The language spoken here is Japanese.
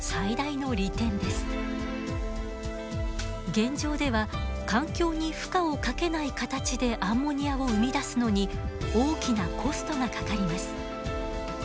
現状では環境に負荷をかけない形でアンモニアを生み出すのに大きなコストがかかります。